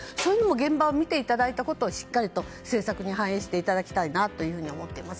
現場で見ていただいたことをしっかり政策に反映していただきたいなと思います。